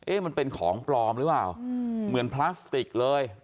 มันเป็นของปลอมหรือเปล่าเหมือนพลาสติกเลย